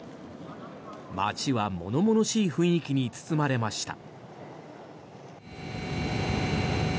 街は物々しい雰囲気に包まれました。